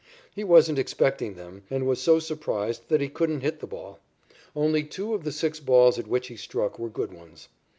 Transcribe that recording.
He wasn't expecting them and was so surprised that he couldn't hit the ball. Only two of the six balls at which he struck were good ones.